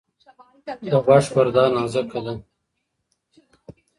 د غوږ پرده نازکه ده.